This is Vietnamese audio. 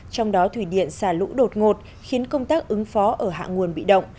trong đó thủy điện xả lũ đột ngột khiến công tác ứng phó ở hạ nguồn bị động